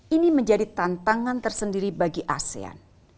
ini menjadi tantangan tersendiri bagi asean